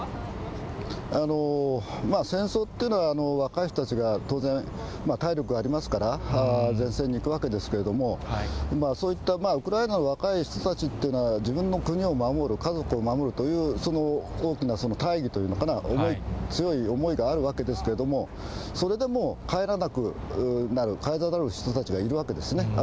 戦争っていうのは、若い人たちが当然、体力がありますから、前線に行くわけですけれども、そういったウクライナの若い人たちというのは、自分の国を守る、家族を守るという、大きな大義というのかな、思い、強い思いがあるわけですけれども、それでも帰らなくなる、帰らざるをえない人たちがいるわけですね。